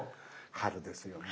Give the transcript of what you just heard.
春ですよね。